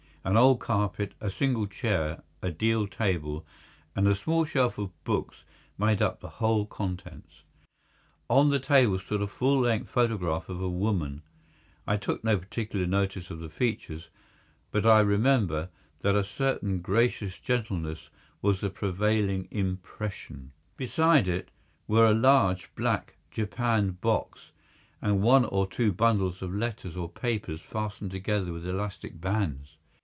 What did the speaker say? An old carpet, a single chair, a deal table, and a small shelf of books made up the whole contents. On the table stood a full length photograph of a woman—I took no particular notice of the features, but I remember, that a certain gracious gentleness was the prevailing impression. Beside it were a large black japanned box and one or two bundles of letters or papers fastened together with elastic bands.